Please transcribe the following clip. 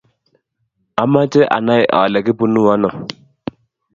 amoche anai ale kibunuu ano.